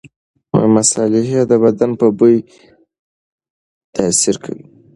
مصالحې د بدن په بوی تاثیر کوي.